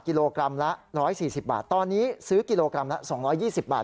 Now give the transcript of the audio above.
กิโลกรัมละ๑๔๐บาทตอนนี้ซื้อกิโลกรัมละ๒๒๐บาท